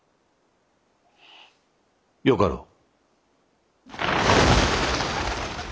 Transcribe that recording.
よかろう。